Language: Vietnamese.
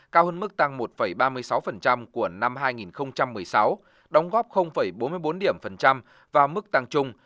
cao hơn mức tăng một ba mươi sáu của năm hai nghìn một mươi sáu đóng góp bốn mươi bốn điểm phần trăm và mức tăng trung